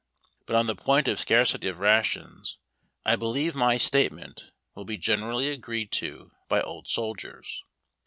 But on the point of scarcity of rations I believe my statement will be generally agreed to by old soldiers.